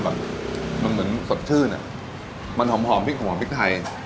น้ำซุปเนี่ยมันแบบมันเหมือนสดชื่นน่ะมันหอมพริกพริกไทย